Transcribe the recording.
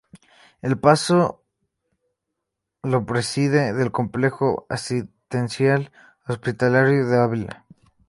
El paso lo preside el Complejo Asistencial Hospitalario de Ávila.